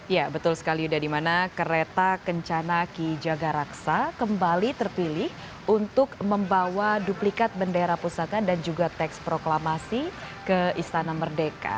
ya betul sekali yuda dimana kereta kencanaki jagaraksa kembali terpilih untuk membawa duplikat bandera pusaka dan juga teks proklamasi ke istana merdeka